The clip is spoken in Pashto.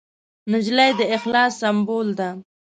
نجلۍ د اخلاص سمبول ده.